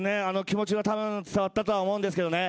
気持ちはたぶん伝わったとは思うんですけどね。